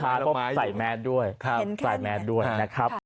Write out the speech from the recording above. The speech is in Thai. ใช่ค่ะก็ใส่แมสด้วยนะครับ